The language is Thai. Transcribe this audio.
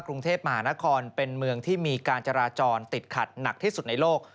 กรุงเทพมหานครเป็นเมืองที่มีการจราจรติดขัดหนักที่สุดในโลก